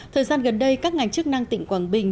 thời gian gần đây các ngành chức năng tỉnh quảng bình